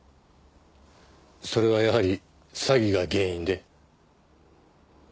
それはやはり詐欺が原因で？